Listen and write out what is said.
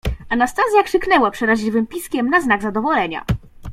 "Anastazja krzyknęła przeraźliwym piskiem na znak zadowolenia."